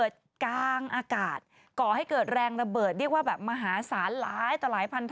นางคิดแบบว่าไม่ไหวแล้วไปกด